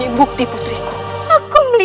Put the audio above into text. yang sudah ke therapy